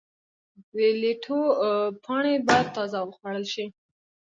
د لیټو پاڼې باید تازه وخوړل شي.